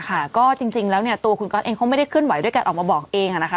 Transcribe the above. เพราะจริงแล้วเนี่ยตัวคุณก๊อตเองเขาไม่ได้ขึ้นไหวด้วยกันออกมาบอกเองค่ะนะคะ